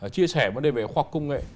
chia sẻ vấn đề về khoa học công nghệ